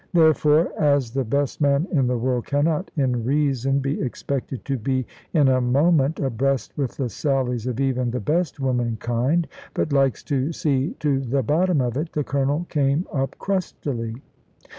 Therefore (as the best man in the world cannot in reason be expected to be in a moment abreast with the sallies of even the best womankind, but likes to see to the bottom of it) the Colonel came up crustily.